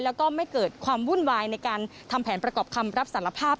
แล้วก็ไม่เกิดความวุ่นวายในการทำแผนประกอบคำรับสารภาพ